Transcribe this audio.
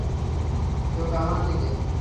চোখ আমার দিকে!